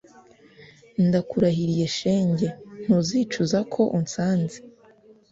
ndakurahiriye shenge, ntuzicuza ko unsanze